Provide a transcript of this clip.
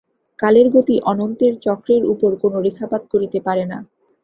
কালের গতি অনন্তের চক্রের উপর কোন রেখাপাত করিতে পারে না।